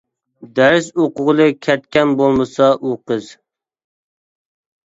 دەرس ئوقۇغىلى كەتكەن بولمىسا ئۇ قىز.